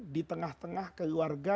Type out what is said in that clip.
di tengah tengah keluarga